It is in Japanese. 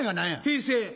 平成。